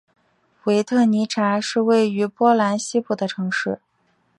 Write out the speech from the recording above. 维特尼察是位于波兰西部的城市。